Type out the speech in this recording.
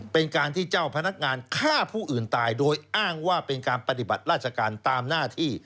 เป็นการที่เจ้าพนักงานฆ่าผู้อื่นตายโดยอ้างว่าเป็นการปฏิบัติราชการตามหน้าที่